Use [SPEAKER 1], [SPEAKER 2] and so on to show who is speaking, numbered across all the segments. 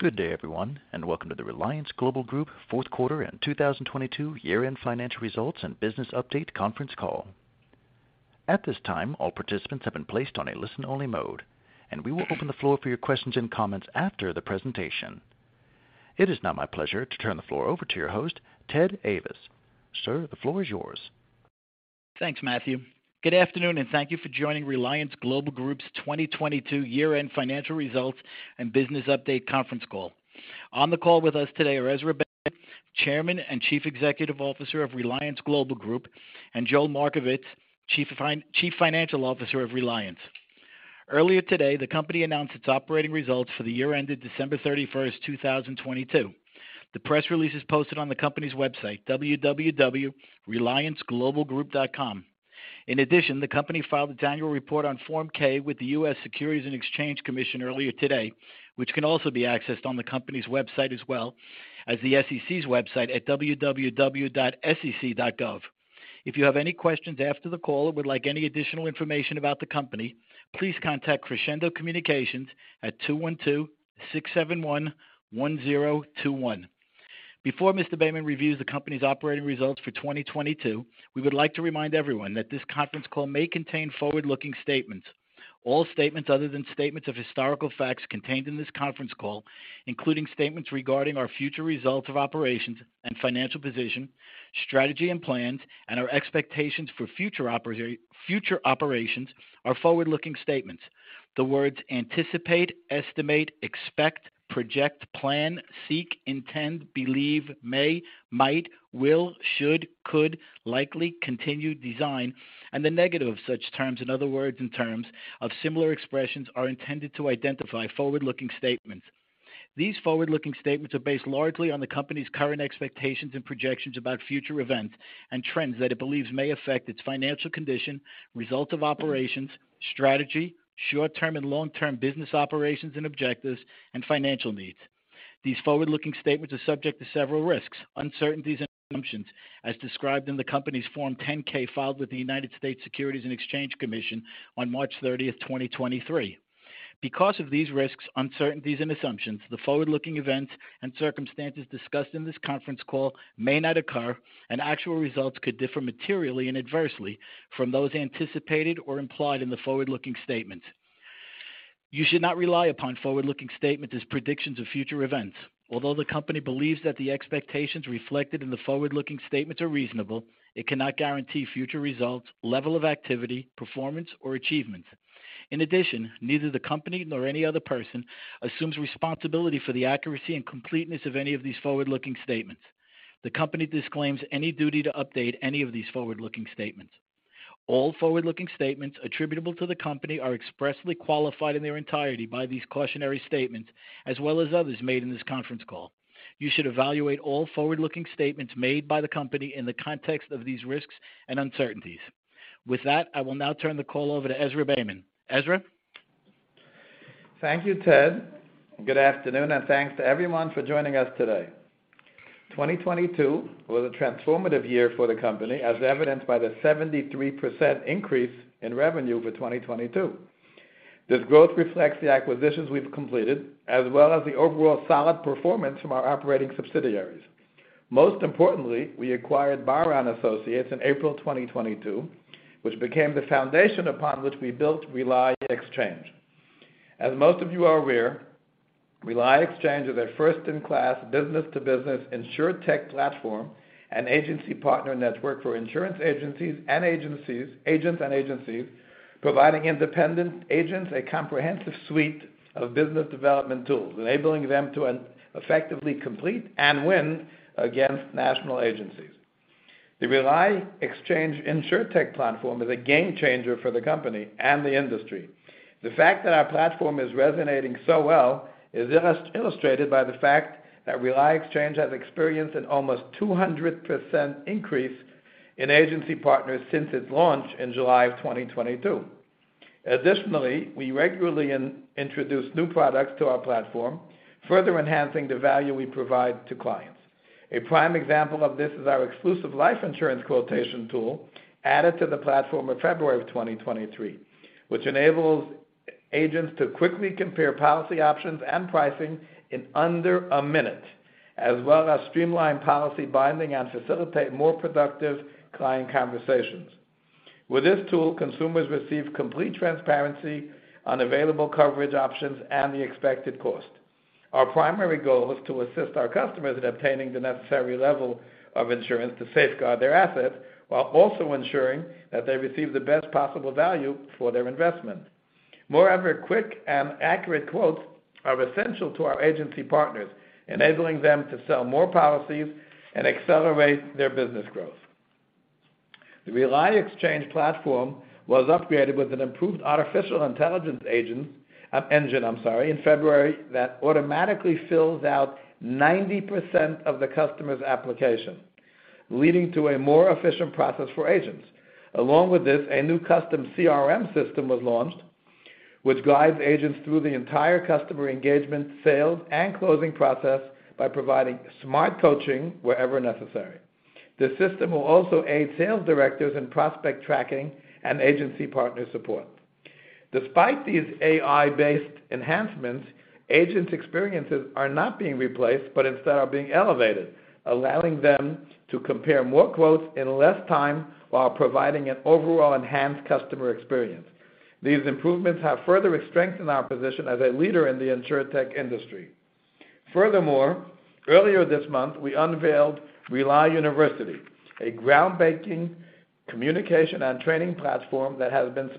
[SPEAKER 1] Good day, everyone, welcome to the Reliance Global Group Fourth Quarter and 2022 Year-End Financial Results and Business Update Conference Call. At this time, all participants have been placed on a listen-only mode, we will open the floor for your questions and comments after the presentation. It is now my pleasure to turn the floor over to your host, Ted Ayvas. Sir, the floor is yours.
[SPEAKER 2] Thanks, Matthew. Good afternoon, thank you for joining Reliance Global Group's 2022 year-end financial results and business update conference call. On the call with us today are Ezra Beyman, Chairman and Chief Executive Officer of Reliance Global Group, and Joel Markovits, Chief Financial Officer of Reliance. Earlier today, the company announced its operating results for the year ended December 31st, 2022. The press release is posted on the company's website, www.relianceglobalgroup.com. In addition, the company filed its annual report on Form 10-K with the U.S. Securities and Exchange Commission earlier today, which can also be accessed on the company's website as well as the SEC's website at www.sec.gov. If you have any questions after the call or would like any additional information about the company, please contact Crescendo Communications at 212-671-1021. Before Mr. Beyman reviews the company's operating results for 2022. We would like to remind everyone that this conference call may contain forward-looking statements. All statements other than statements of historical facts contained in this conference call, including statements regarding our future results of operations and financial position, strategy and plans, and our expectations for future operations are forward-looking statements. The words anticipate, estimate, expect, project, plan, seek, intend, believe, may, might, will, should, could, likely, continue, design, and the negative of such terms and other words and terms of similar expressions are intended to identify forward-looking statements. These forward-looking statements are based largely on the company's current expectations and projections about future events and trends that it believes may affect its financial condition, results of operations, strategy, short-term and long-term business operations and objectives, and financial needs. These forward-looking statements are subject to several risks, uncertainties and assumptions as described in the company's Form 10-K filed with the United States Securities and Exchange Commission on March thirtieth, 2023. Because of these risks, uncertainties and assumptions, the forward-looking events and circumstances discussed in this conference call may not occur, and actual results could differ materially and adversely from those anticipated or implied in the forward-looking statements. You should not rely upon forward-looking statements as predictions of future events. Although the company believes that the expectations reflected in the forward-looking statements are reasonable, it cannot guarantee future results, level of activity, performance, or achievements. In addition, neither the company nor any other person assumes responsibility for the accuracy and completeness of any of these forward-looking statements. The company disclaims any duty to update any of these forward-looking statements. All forward-looking statements attributable to the company are expressly qualified in their entirety by these cautionary statements as well as others made in this conference call. You should evaluate all forward-looking statements made by the company in the context of these risks and uncertainties. With that, I will now turn the call over to Ezra Beyman. Ezra?
[SPEAKER 3] Thank you, Ted. Good afternoon, thanks to everyone for joining us today. 2022 was a transformative year for the company, as evidenced by the 73% increase in revenue for 2022. This growth reflects the acquisitions we've completed, as well as the overall solid performance from our operating subsidiaries. Most importantly, we acquired Barra & Associates in April 2022, which became the foundation upon which we built RELI Exchange. As most of you are aware, RELI Exchange is a first-in-class business-to-business Insurtech platform and agency partner network for insurance agents and agencies, providing independent agents a comprehensive suite of business development tools, enabling them to effectively complete and win against national agencies. The RELI Exchange Insurtech platform is a game changer for the company and the industry. The fact that our platform is resonating so well is illustrated by the fact that RELI Exchange has experienced an almost 200% increase in agency partners since its launch in July of 2022. Additionally, we regularly introduce new products to our platform, further enhancing the value we provide to clients. A prime example of this is our exclusive life insurance quotation tool added to the platform of February of 2023, which enables agents to quickly compare policy options and pricing in under a minute, as well as streamline policy binding and facilitate more productive client conversations. With this tool, consumers receive complete transparency on available coverage options and the expected cost. Our primary goal is to assist our customers in obtaining the necessary level of insurance to safeguard their assets while also ensuring that they receive the best possible value for their investment. Moreover, quick and accurate quotes are essential to our agency partners, enabling them to sell more policies and accelerate their business growth. The RELI Exchange platform was upgraded with an improved artificial intelligence engine, in February that automatically fills out 90% of the customer's application, leading to a more efficient process for agents. Along with this, a new custom CRM system was launched, which guides agents through the entire customer engagement, sales, and closing process by providing smart coaching wherever necessary. The system will also aid sales directors in prospect tracking and agency partner support. Despite these AI-based enhancements, agents' experiences are not being replaced, but instead are being elevated, allowing them to compare more quotes in less time while providing an overall enhanced customer experience. These improvements have further strengthened our position as a leader in the Insurtech industry. Furthermore, earlier this month, we unveiled RELI University, a groundbreaking communication and training platform that has been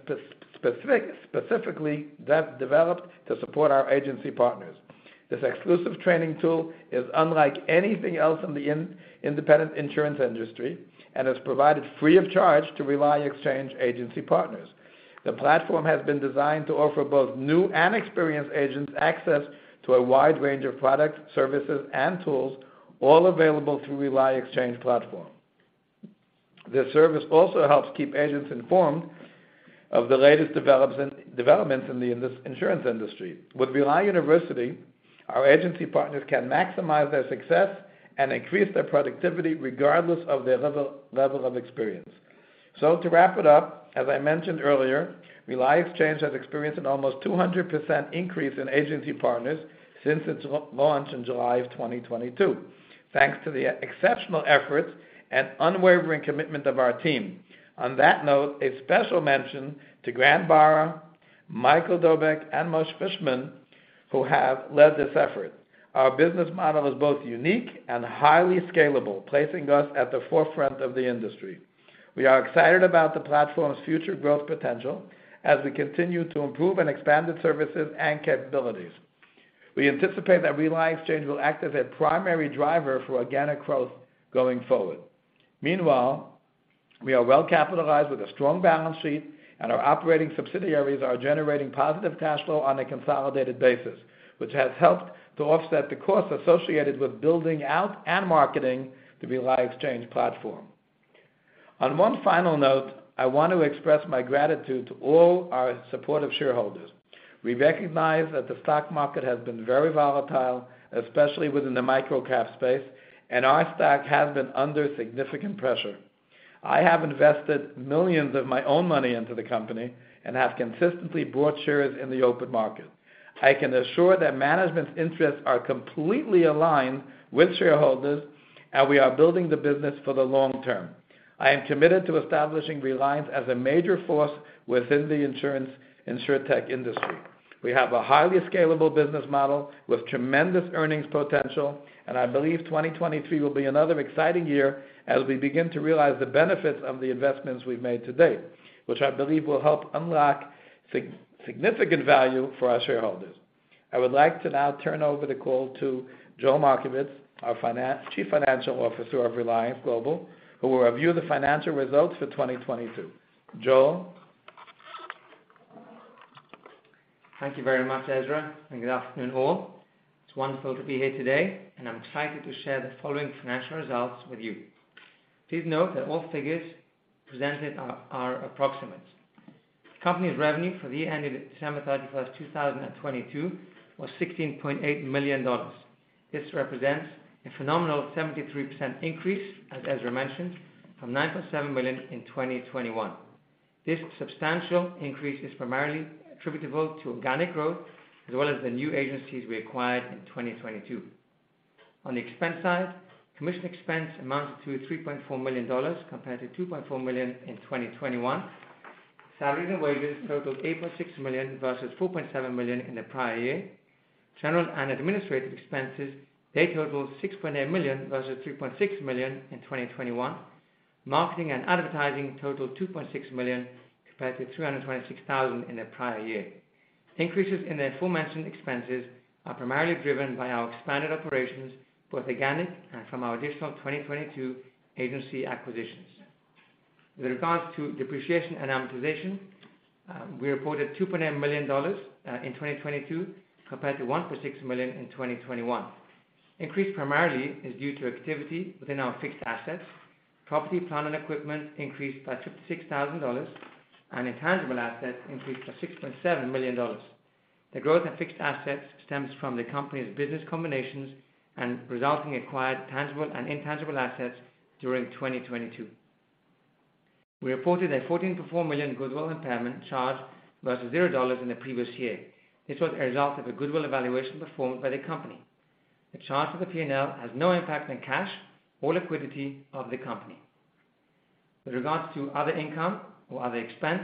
[SPEAKER 3] specifically developed to support our agency partners. This exclusive training tool is unlike anything else in the independent insurance industry and is provided free of charge to RELI Exchange agency partners. The platform has been designed to offer both new and experienced agents access to a wide range of products, services, and tools, all available through RELI Exchange platform. This service also helps keep agents informed of the latest developments in the insurance industry. With RELI University, our agency partners can maximize their success and increase their productivity regardless of their level of experience. To wrap it up, as I mentioned earlier, RELI Exchange has experienced an almost 200% increase in agency partners since its launch in July of 2022, thanks to the exceptional effort and unwavering commitment of our team. On that note, a special mention to Grant Barra, Michael Dobek, and Moshe Fishman, who have led this effort. Our business model is both unique and highly scalable, placing us at the forefront of the industry. We are excited about the platform's future growth potential as we continue to improve and expand its services and capabilities. We anticipate that RELI Exchange will act as a primary driver for organic growth going forward. Meanwhile, we are well-capitalized with a strong balance sheet, and our operating subsidiaries are generating positive cash flow on a consolidated basis, which has helped to offset the costs associated with building out and marketing the RELI Exchange platform. On one final note, I want to express my gratitude to all our supportive shareholders. We recognize that the stock market has been very volatile, especially within the microcap space, and our stock has been under significant pressure. I have invested millions of my own money into the company and have consistently bought shares in the open market. I can assure that management's interests are completely aligned with shareholders, and we are building the business for the long term. I am committed to establishing Reliance as a major force within the Insurtech industry. We have a highly scalable business model with tremendous earnings potential. I believe 2023 will be another exciting year as we begin to realize the benefits of the investments we've made to date, which I believe will help unlock significant value for our shareholders. I would like to now turn over the call to Joel Markovits, our Chief Financial Officer of Reliance Global, who will review the financial results for 2022. Joel?
[SPEAKER 4] Thank you very much, Ezra. Good afternoon, all. It's wonderful to be here today. I'm excited to share the following financial results with you. Please note that all figures presented are approximate. Company's revenue for the year ending December 31st, 2022 was $16.8 million. This represents a phenomenal 73% increase, as Ezra mentioned, from $9.7 million in 2021. This substantial increase is primarily attributable to organic growth as well as the new agencies we acquired in 2022. On the expense side, commission expense amounted to $3.4 million compared to $2.4 million in 2021. Salaries and wages totaled $8.6 million versus $4.7 million in the prior year. General and administrative expenses, they totaled $6.8 million versus $3.6 million in 2021. Marketing and advertising totaled $2.6 million compared to $326,000 in the prior year. Increases in the aforementioned expenses are primarily driven by our expanded operations, both organic and from our additional 2022 agency acquisitions. With regards to depreciation and amortization, we reported $2.8 million in 2022 compared to $1.6 million in 2021. Increase primarily is due to activity within our fixed assets. Property, plant, and equipment increased by $56,000, and intangible assets increased by $6.7 million. The growth in fixed assets stems from the company's business combinations and resulting acquired tangible and intangible assets during 2022. We reported a $14.4 million goodwill impairment charge versus $0 in the previous year. This was a result of a goodwill evaluation performed by the company. The charge to the P&L has no impact on cash or liquidity of the company. With regards to other income or other expense,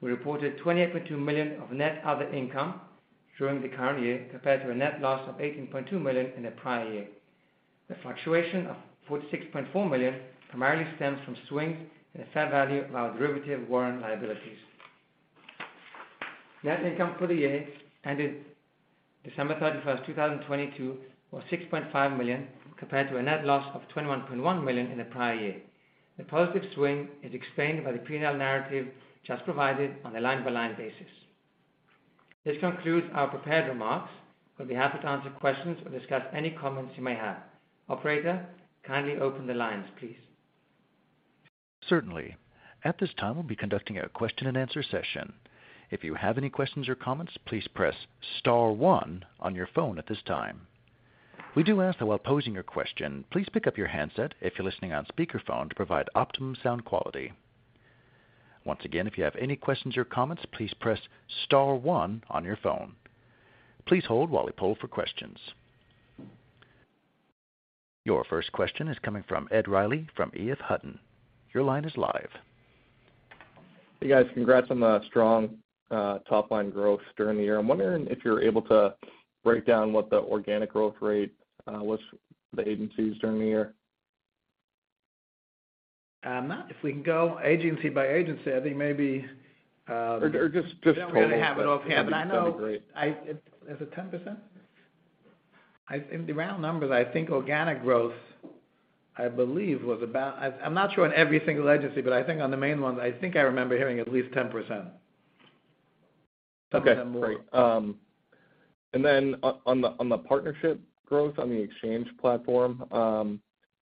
[SPEAKER 4] we reported $28.2 million of net other income during the current year compared to a net loss of $18.2 million in the prior year. The fluctuation of $46.4 million primarily stems from swings in the fair value of our derivative warrant liabilities. Net income for the year ended December 31, 2022 was $6.5 million compared to a net loss of $21.1 million in the prior year. The positive swing is explained by the P&L narrative just provided on a line-by-line basis. This concludes our prepared remarks. We'll be happy to answer questions or discuss any comments you may have. Operator, kindly open the lines, please.
[SPEAKER 1] Certainly. At this time, we'll be conducting a question and answer session. If you have any questions or comments, please press star one on your phone at this time. We do ask that while posing your question, please pick up your handset if you're listening on speakerphone to provide optimum sound quality. Once again, if you have any questions or comments, please press star one on your phone. Please hold while we poll for questions. Your first question is coming from Ed Riley, from EF Hutton. Your line is live.
[SPEAKER 5] Hey, guys. Congrats on the strong top line growth during the year. I'm wondering if you're able to break down what the organic growth rate was for the agencies during the year.
[SPEAKER 3] If we can go agency by agency, I think maybe.
[SPEAKER 5] Just total.
[SPEAKER 3] We don't have it offhand. I know-
[SPEAKER 5] That'd be great.
[SPEAKER 3] Is it 10%? I think the round numbers, I think organic growth, I believe was about-- I'm not sure on every single agency, but I think on the main ones, I think I remember hearing at least 10%.
[SPEAKER 5] Okay, great. And then on the partnership growth on the RELI Exchange platform,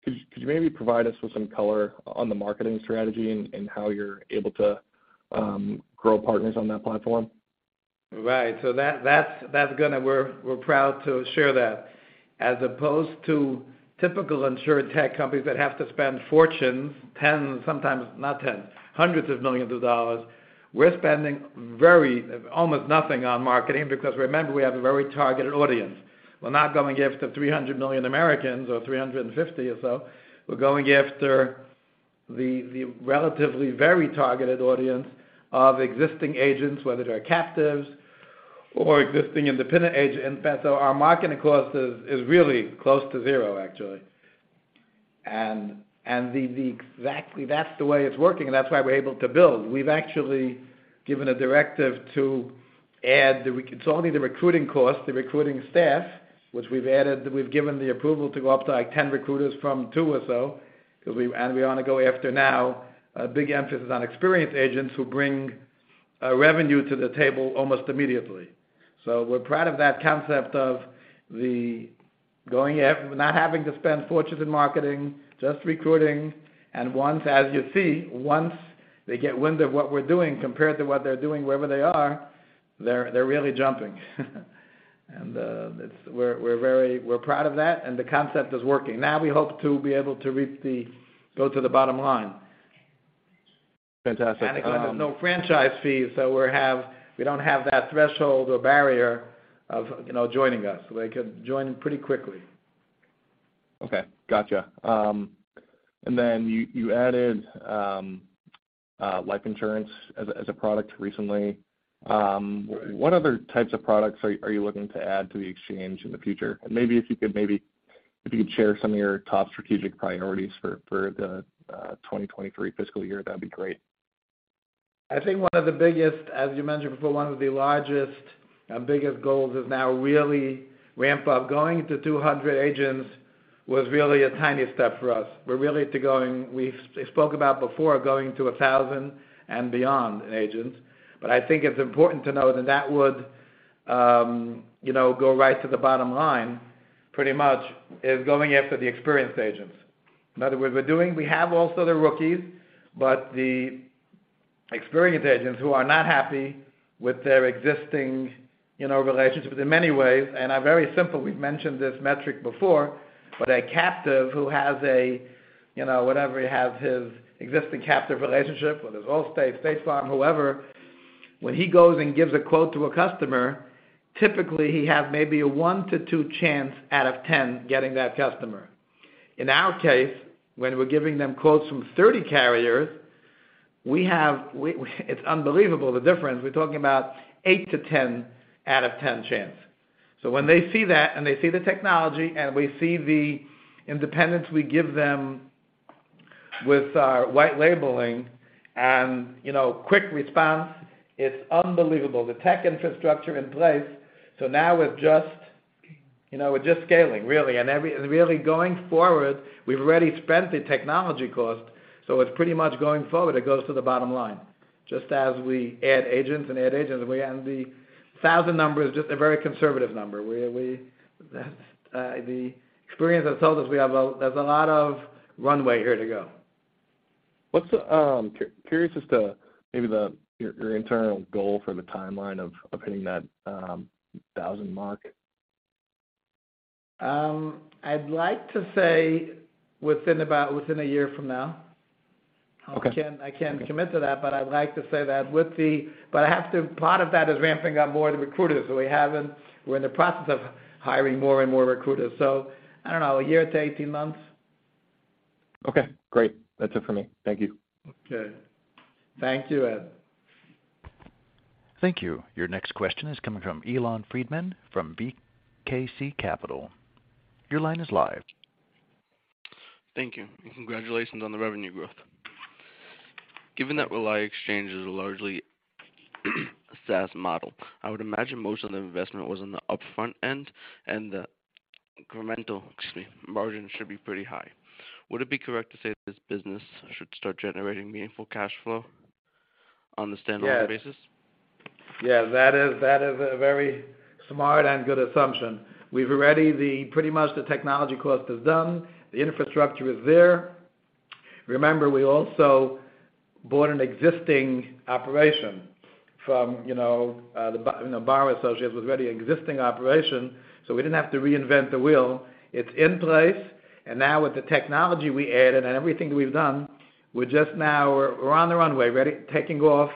[SPEAKER 5] could you maybe provide us with some color on the marketing strategy and how you're able to grow partners on that platform?
[SPEAKER 3] Right. We're proud to share that. As opposed to typical Insurtech companies that have to spend fortunes, hundreds of millions of dollars. We're spending very almost nothing on marketing because remember, we have a very targeted audience. We're not going after 300 million Americans or 350 million or so. We're going after the relatively very targeted audience of existing agents, whether they're captives or existing independent agent. In fact, our marketing cost is really close to zero, actually. The exactly that's the way it's working, and that's why we're able to build. We've actually given a directive to add. It's only the recruiting cost, the recruiting staff, which we've added. We've given the approval to go up to, like, 10 recruiters from two or so, 'cause we wanna go after now a big emphasis on experienced agents who bring revenue to the table almost immediately. We're proud of that concept of going after not having to spend fortunes in marketing, just recruiting. As you see, once they get wind of what we're doing compared to what they're doing wherever they are, they're really jumping. We're proud of that, and the concept is working. We hope to be able to reach the bottom line.
[SPEAKER 5] Fantastic.
[SPEAKER 3] Again, there's no franchise fees, so we don't have that threshold or barrier of, you know, joining us. They could join pretty quickly.
[SPEAKER 5] Okay. Got it. Then you added life insurance as a product recently. What other types of products are you looking to add to the exchange in the future? Maybe if you could share some of your top strategic priorities for the 2023 fiscal year, that'd be great.
[SPEAKER 3] I think one of the biggest, as you mentioned before, one of the largest and biggest goals is now really ramp up. Going to 200 agents was really a tiny step for us. We spoke about before going to 1,000 and beyond agents, but I think it's important to note that that would, you know, go right to the bottom line, pretty much is going after the experienced agents. In other words, We have also the rookies, but the experienced agents who are not happy with their existing, you know, relationships in many ways and are very simple. We've mentioned this metric before, but a captive who has a, you know, whatever, he has his existing captive relationship, whether it's Allstate, State Farm, whoever. When he goes and gives a quote to a customer, typically he have maybe a one-two chance out of 10 getting that customer. In our case, when we're giving them quotes from 30 carriers, we it's unbelievable the difference. We're talking about 8-10 out of 10 chance. When they see that and they see the technology and we see the independence we give them with our white labeling and, you know, quick response, it's unbelievable. The tech infrastructure in place, so now we're just, you know, we're just scaling really. Really going forward, we've already spent the technology cost, so it's pretty much going forward, it goes to the bottom line. Just as we add agents, we and the 1,000 number is just a very conservative number. That's the experience has told us there's a lot of runway here to go.
[SPEAKER 5] Curious as to maybe your internal goal for the timeline of hitting that 1,000 mark?
[SPEAKER 3] I'd like to say within a year from now.
[SPEAKER 5] Okay.
[SPEAKER 3] I can't commit to that, but I'd like to say that. Part of that is ramping up more of the recruiters. We're in the process of hiring more and more recruiters. I don't know, a year to 18 months.
[SPEAKER 5] Okay, great. That's it for me. Thank you.
[SPEAKER 3] Okay. Thank you, Ed.
[SPEAKER 1] Thank you. Your next question is coming from Elon Friedman from BKC Capital. Your line is live.
[SPEAKER 6] Thank you, and congratulations on the revenue growth. Given that RELI Exchange is a largely SaaS model, I would imagine most of the investment was on the upfront end and the incremental, excuse me, margin should be pretty high. Would it be correct to say this business should start generating meaningful cash flow? On the standalone basis?
[SPEAKER 3] Yes. Yes, that is a very smart and good assumption. We've already pretty much the technology cost is done. The infrastructure is there. Remember, we also bought an existing operation from, you know, the B-- you know, Barra & Associates was already existing operation, so we didn't have to reinvent the wheel. It's in place, and now with the technology we added and everything we've done, we're just now, we're on the runway, ready, taking off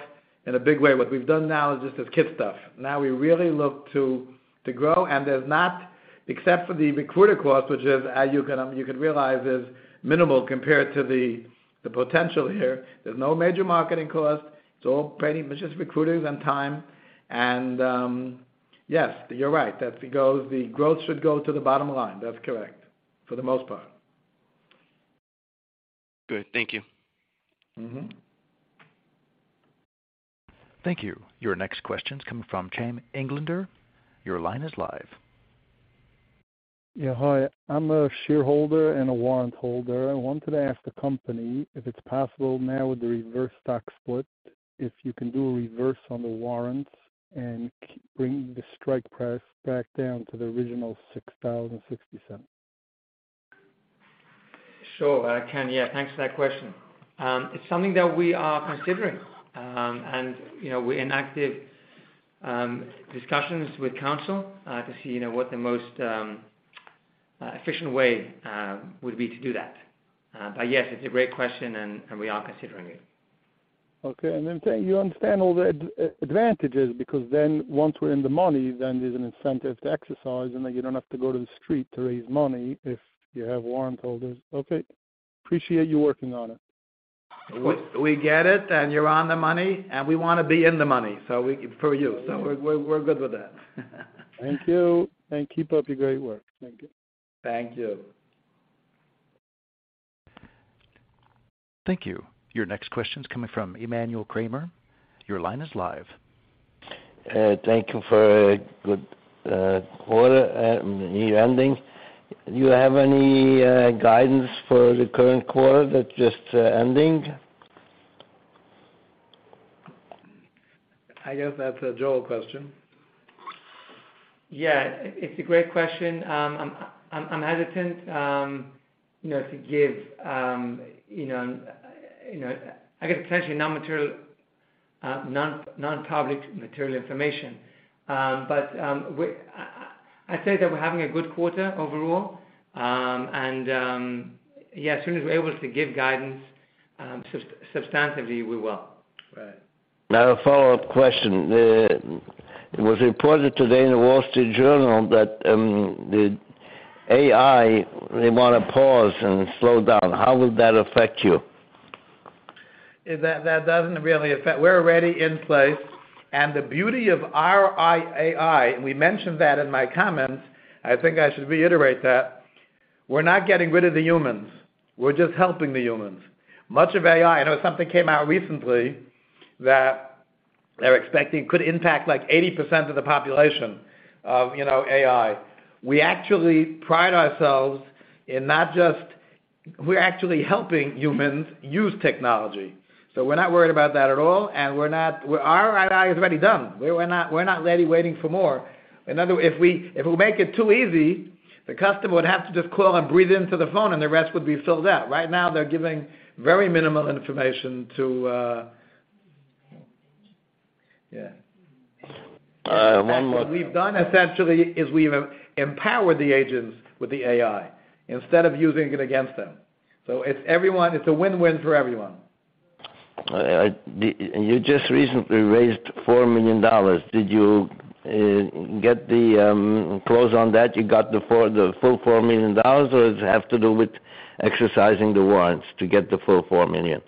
[SPEAKER 3] in a big way. What we've done now is just this kid stuff. Now we really look to grow, and there's not, except for the recruiter cost, which is, as you can realize is minimal compared to the potential here. There's no major marketing cost. It's all paying-- It's just recruiters and time and, yes, you're right. The growth should go to the bottom line. That's correct, for the most part.
[SPEAKER 6] Good. Thank you.
[SPEAKER 1] Thank you. Your next question's coming from Ken Englander. Your line is live.
[SPEAKER 7] Hi. I'm a shareholder and a warrant holder. I wanted to ask the company if it's possible now with the reverse stock split, if you can do a reverse on the warrants and bring the strike price back down to the original $6,000.60.
[SPEAKER 4] Sure, Ken. Yeah, thanks for that question. It's something that we are considering, and, you know, we're in active discussions with counsel, to see, you know, what the most efficient way would be to do that. Yes, it's a great question and we are considering it.
[SPEAKER 8] Okay. And then, you understand all the advantages because then once we're in the money, then there's an incentive to exercise and then you don't have to go to the street to raise money if you have warrant holders. Okay. Appreciate you working on it.
[SPEAKER 3] We get it and you're on the money and we wanna be in the money, we for you. We're good with that.
[SPEAKER 7] Thank you, and keep up your great work. Thank you.
[SPEAKER 3] Thank you.
[SPEAKER 1] Thank you. Your next question's coming from Emmanuel Kramer. Your line is live.
[SPEAKER 7] Thank you for a good quarter near ending. Do you have any guidance for the current quarter that's just ending?
[SPEAKER 3] I guess that's a Joel question.
[SPEAKER 4] Yeah. It's a great question. I'm hesitant, you know, to give, you know-- I guess potentially non-material, non-public material information. I'd say that we're having a good quarter overall. Yeah, as soon as we're able to give guidance, substantively, we will.
[SPEAKER 7] I have a follow-up question. It was reported today in The Wall Street Journal that, the AI, they wanna pause and slow down. How will that affect you?
[SPEAKER 3] That doesn't really affect. We're already in place. The beauty of our AI, and we mentioned that in my comments, I think I should reiterate that, we're not getting rid of the humans. We're just helping the humans. Much of AI, I know something came out recently that they're expecting could impact like 80% of the population of, you know, AI. We actually pride ourselves. We're actually helping humans use technology. We're not worried about that at all, and Our AI is already done. We're not really waiting for more. In other words, if we make it too easy, the customer would have to just call and breathe into the phone and the rest would be filled out. Right now they're giving very minimal information to--
[SPEAKER 7] One more--
[SPEAKER 3] What we've done essentially is we've empowered the agents with the AI instead of using it against them. It's everyone. It's a win-win for everyone.
[SPEAKER 7] You just recently raised $4 million. Did you get the close on that? You got the full $4 million or does it have to do with exercising the warrants to get the full $4 million?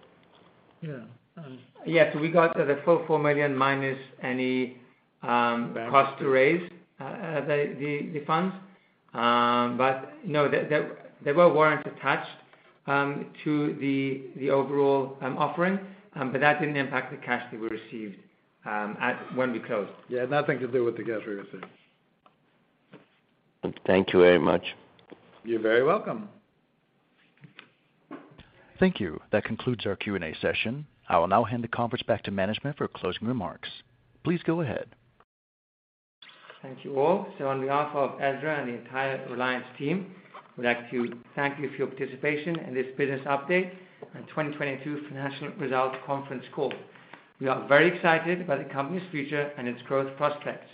[SPEAKER 4] Yes, we got the full $4 million minus any cost to raise the funds. No, there were warrants attached to the overall offering, but that didn't impact the cash that we received when we closed.
[SPEAKER 3] Yeah, nothing to do with the cash we received.
[SPEAKER 7] Thank you very much.
[SPEAKER 3] You're very welcome.
[SPEAKER 1] Thank you. That concludes our Q&A session. I will now hand the conference back to management for closing remarks. Please go ahead.
[SPEAKER 4] Thank you all. On behalf of Ezra and the entire Reliance team, we'd like to thank you for your participation in this business update and 2022 financial results conference call. We are very excited about the company's future and its growth prospects.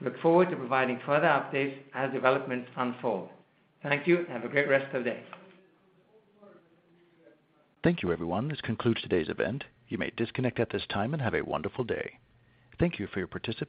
[SPEAKER 4] Look forward to providing further updates as developments unfold. Thank you, and have a great rest of the day.
[SPEAKER 1] Thank you, everyone. This concludes today's event. You may disconnect at this time, and have a wonderful day. Thank you for your participation.